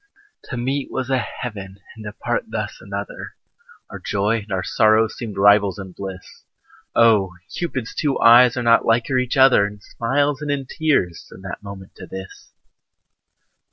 To meet was a heaven and to part thus another, Our joy and our sorrow seemed rivals in bliss; Oh! Cupid's two eyes are not liker each other In smiles and in tears than that moment to this.